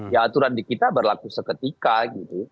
ya aturan di kita berlaku seketika gitu